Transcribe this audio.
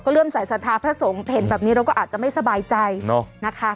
ก็เริ่มสายสาธารณ์พระสงฆ์เห็นแบบนี้เราก็อาจจะไม่สบายใจเนอะนะคะ